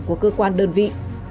của cơ quan đơn vị